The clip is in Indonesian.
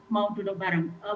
mau duduk bareng